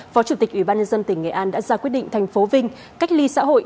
phó chủ tịch ủy ban nhân dân tỉnh nghệ an đã ra quyết định thành phố vinh cách ly xã hội